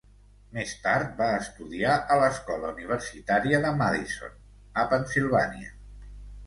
Més tard va estudiar a l'Escola Universitària de Madison, a Pennsilvània.